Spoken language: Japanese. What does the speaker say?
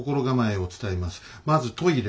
まずトイレ。